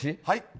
はい。